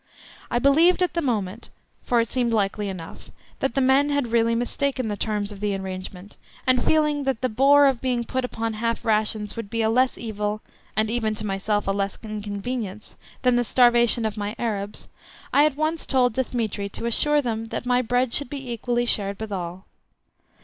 I believed at the moment (for it seemed likely enough) that the men had really mistaken the terms of the arrangement, and feeling that the bore of being put upon half rations would be a less evil (and even to myself a less inconvenience) than the starvation of my Arabs, I at once told Dthemetri to assure them that my bread should be equally shared with all.